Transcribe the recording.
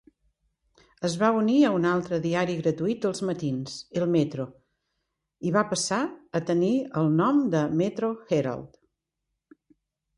Es va unir a un altre diari gratuït dels matins, el "Metro", i va passar a tenir el nom de "Metro Herald".